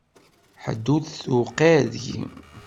Ḥedd ur t-tewqiε deg-i.